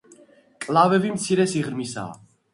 მკლავები მცირე სიღრმისაა.